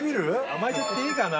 甘えちゃっていいかな？